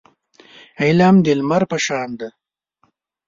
علم د لمر په شان دی.